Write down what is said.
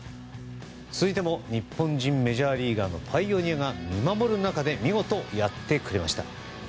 続いても日本人メジャーリーガーのパイオニアが見守る中で見事やってくれました。